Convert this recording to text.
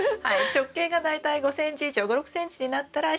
直径が大体５ｃｍ以上５６ｃｍになったら収穫して下さい。